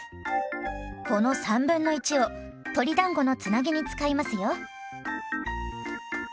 この1/3を鶏だんごのつなぎに使いますよ。